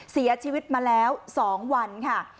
เสียชีวิตมาแล้ว๒วันค่ะ